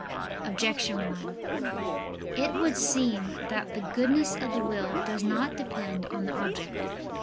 Objection 1: It would seem that the goodness of the will does not depend on the object.